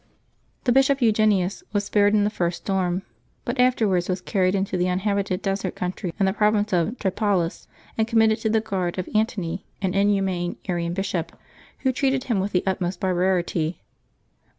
^' The Bishop Eugenius was spared in the first storm, but after wards was carried into the uninhabited desert country in the province of Tripolis, and committed to the guard of July 14] LIVES OF THE SAINTS 349 Antony, an inhuman Arian bishop, who treated him with the ntmost barbarity.